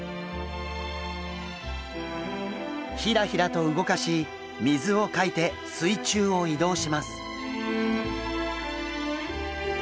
ヒラヒラと動かし水をかいて水中を移動します。